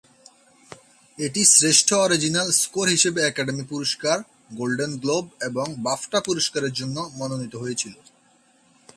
এটি শ্রেষ্ঠ original score হিসেবে একাডেমি পুরস্কার, গোল্ডেন গ্লোব এবং বাফটা পুরস্কারের জন্যে মনোনীত হয়েছিল।